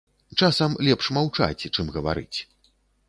Часам лепш маўчаць, чым гаварыць.